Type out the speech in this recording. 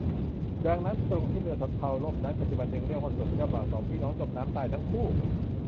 ดังนั้น ตรงที่เรือสำเภาล่มนั้นปัจจุบันจึงเรียกว่า ส่วนเจ้าบ่าวสองพี่น้องจมน้ำตายทั้งคู่